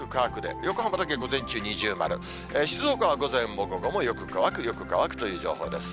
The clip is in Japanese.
横浜だけ午前中二重丸、静岡は午前も午後もよく乾く、よく乾くという情報です。